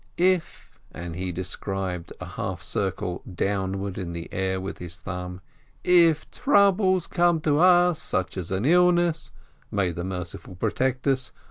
"If" (and he described a half circle downward in the air with his thumb), "if troubles come to us, such as an illness (may the Merciful protect us!)